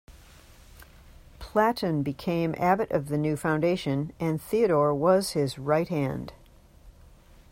Platon became abbot of the new foundation, and Theodore was his right hand.